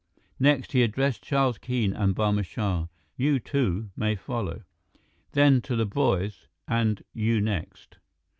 Next, he addressed Charles Keene and Barma Shah. "You two may follow." Then, to the boys, "And you next."